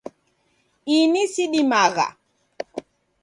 Ini sidimagha.